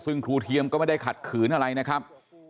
ซึ่งครูเทียมก็ไม่ได้ขัดขืนอะไรนะครับ